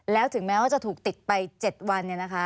แล้วถึงแม้ว่าจะถูกติดไป๗วัน